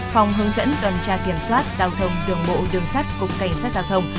phòng hướng dẫn tuần tra kiểm soát giao thông đường bộ đường sắt cục cảnh sát giao thông